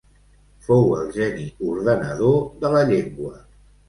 Fou el geni ordenador de la llengua.